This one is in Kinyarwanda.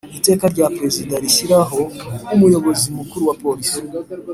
Iteka rya Perezida rishyiraho Umuyobozi Mukuru wa police